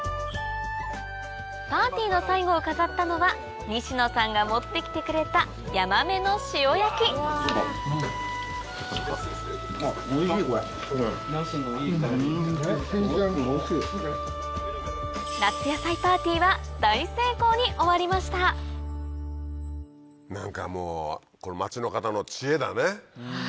パーティーの最後を飾ったのは西野さんが持って来てくれたヤマメの塩焼きに終わりました何かもう町の方の知恵だね。